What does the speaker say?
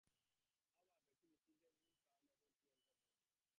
However, Boukpeti received a wild card and was able to enter the event.